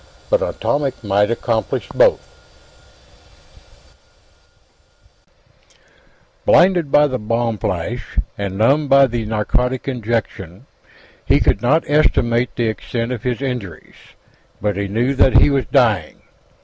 But an atomic might accomplish both _ Blinded by the bomb flash and numbed by the narcotic injection, he could not estimate the extent of his injuries, but he knew that he was dying.